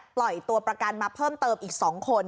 ปล่อยตัวประกันมาเพิ่มเติมอีก๒คน